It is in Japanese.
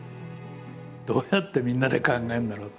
どうやってみんなで考えるんだろう？